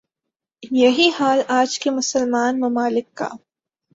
یہی حال آج کے مسلمان ممالک کا